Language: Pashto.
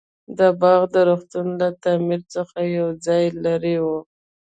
دا باغ د روغتون له تعمير څخه يو څه لرې و.